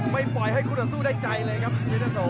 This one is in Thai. ไม่ปล่อยให้คุณสู้ได้ใจเลยครับเจ้าเจ้าโส